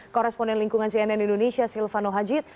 koresponden lingkungan cnn indonesia silvano hajid